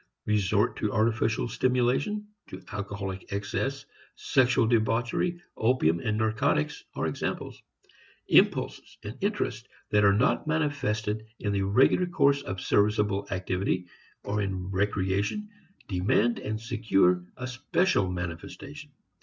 Resort to artificial stimulation, to alcoholic excess, sexual debauchery, opium and narcotics are examples. Impulses and interests that are not manifested in the regular course of serviceable activity or in recreation demand and secure a special manifestation.